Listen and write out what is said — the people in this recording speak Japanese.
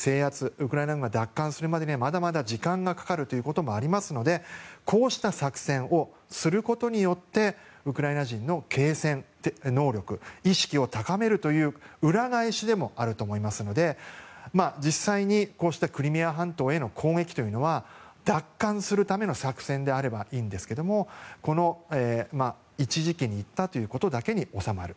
ウクライナ軍が奪還するまでにはまだまだ時間がかかるということもありますのでこうした作戦をすることによってウクライナ人の継戦能力意識を高めるという裏返しでもあると思いますので実際にこうしたクリミア半島への攻撃というのは奪還するための作戦であればいいんですけどもこの一時期に行ったということだけに収まる。